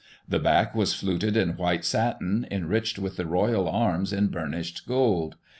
The back was fluted in white satin, enriched with the Royal Arms in biur nished gold.